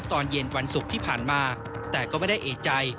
ตอนเย็นวันศุกร์ที่ผ่านมาแต่ก็ไม่ได้เอกใจ